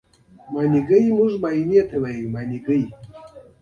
هر انسان ته دوه مختلفې ځانګړنې ورکړل شوې دي.